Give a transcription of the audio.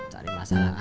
cari masalah ngga